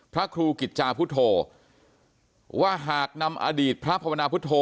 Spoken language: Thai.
พระครูกิจจาพุทธโธว่าหากนำอดีตพระภาวนาพุทธโธ